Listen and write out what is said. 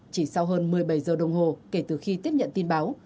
chỉ sau hơn một mươi bảy giờ đồng hồ kể từ khi tiếp nhận tin báo